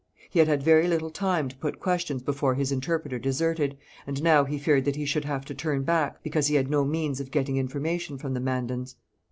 He had had very little time to put questions before his interpreter deserted, and now he feared that he should have to turn back, because he had no means of getting information from the Mandans.